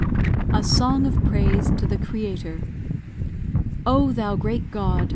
A SONG OF PRAISE TO THE CREATOR Oh, thou great God!